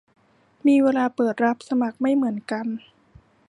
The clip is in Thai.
มีเวลาเปิดรับสมัครไม่เหมือนกัน